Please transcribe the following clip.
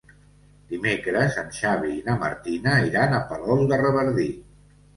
Dimecres en Xavi i na Martina iran a Palol de Revardit.